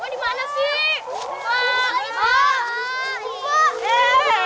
buah dimana sih